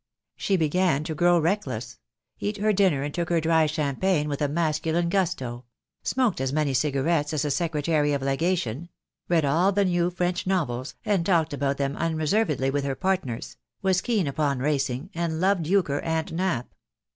She began to grow reckless; eat her dinner and took her dry champagne with a masculine gusto; smoked as many cigarettes as a secretary of legation; read all the new French novels, and talked about them unreservedly with her partners; was keen upon racing, and loved euchre and nap.